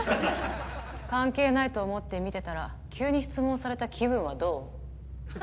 関係ないと思って見てたら急に質問された気分はどう？